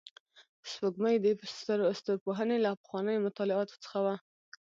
سپوږمۍ د ستورپوهنې له پخوانیو مطالعاتو څخه وه